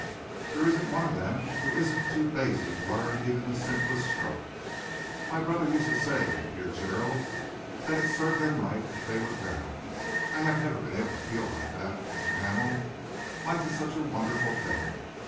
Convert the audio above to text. There isn't one of them who isn't too lazy to learn even the simplest stroke. My brother used to say dear Gerald that it served them right if they were drowned. I have never been able to feel like that, Mr. Hamel. Life is such a wonderful thing.